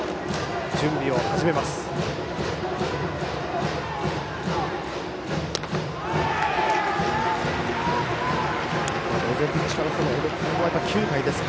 準備を始めます。